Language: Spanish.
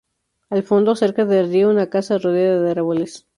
Al fondo, cerca del río, una casa rodeada de árboles.